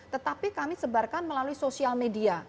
tetapi kami sebarkan melalui sosial media